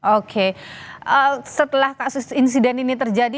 oke setelah kasus insiden ini terjadi